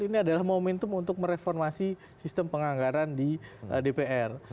ini adalah momentum untuk mereformasi sistem penganggaran di dpr